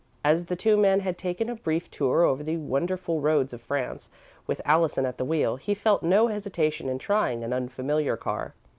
As the two men had taken a brief tour over the wonderful roads of France, with Allison at the wheel, he felt no hesitation in trying an unfamiliar car.